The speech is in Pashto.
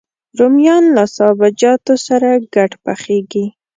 رومیان له سابهجاتو سره ګډ پخېږي